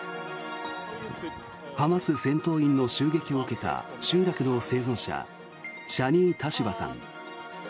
ハマス戦闘員の襲撃を受けた集落の生存者シャニー・タシュバさん。